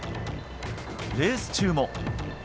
レース中も。